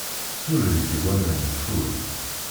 Sureg-d i waman nfud.